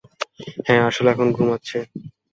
হ্যাঁ, আসলে, এখন ঘুমাচ্ছে।